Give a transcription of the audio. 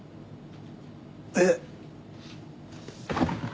えっ？